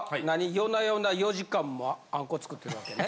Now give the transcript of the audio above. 夜な夜な４時間もあんこ作ってるわけやね。